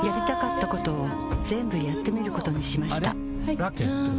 ラケットは？